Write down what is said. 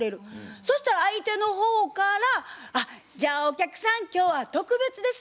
そしたら相手の方から「じゃあお客さん今日は特別ですよ